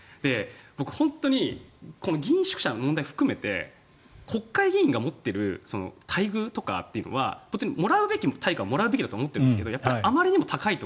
本当に議員宿舎の問題含めて国会議員が持っている待遇とかは別にもらうべき対価はもらうべきだと思っているんですがあまりに高いと。